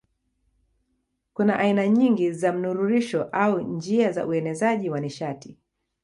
Kuna aina nyingi za mnururisho au njia za uenezaji wa nishati.